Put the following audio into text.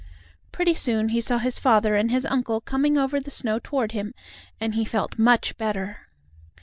Pretty soon he saw his father and his uncle coming over the snow toward him, and he felt much better.